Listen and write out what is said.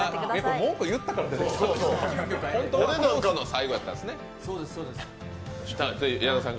文句言ったから出てきたんですか。